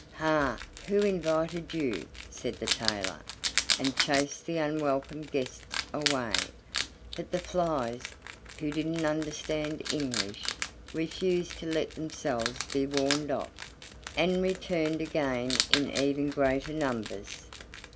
"Ha! who invited you?" said the tailor, and chased the unwelcome guests away. But the flies, who didn't understand English, refused to let themselves be warned off, and returned again in even greater numbers.